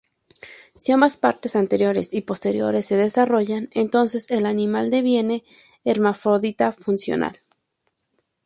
Si ambas partes anteriores y posteriores se desarrollan, entonces el animal deviene hermafrodita funcional.